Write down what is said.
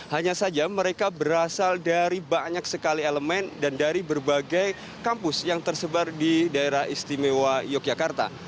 hanya saja mereka berasal dari banyak sekali elemen dan dari berbagai kampus yang tersebar di daerah istimewa yogyakarta